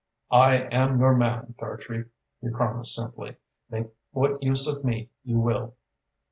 "I am your man, Dartrey," he promised simply. "Make what use of me you will."